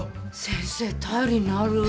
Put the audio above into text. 先生頼りになる。